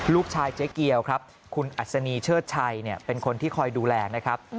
เจ๊เกียวครับคุณอัศนีเชิดชัยเป็นคนที่คอยดูแลนะครับ